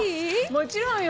もちろんよ。